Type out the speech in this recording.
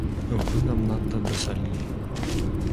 Вы нам надта дасалілі.